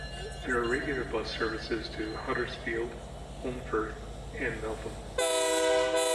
There are regular bus services to Huddersfield, Holmfirth and Meltham.